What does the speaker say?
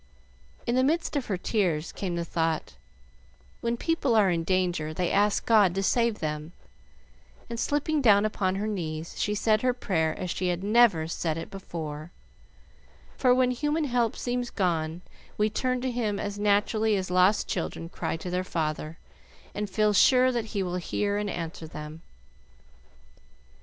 In the midst of her tears came the thought, "When people are in danger, they ask God to save them;" and, slipping down upon her knees, she said her prayer as she had never said it before, for when human help seems gone we turn to Him as naturally as lost children cry to their father, and feel sure that he will hear and answer them.